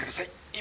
今。